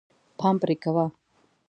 پام پرې کوه.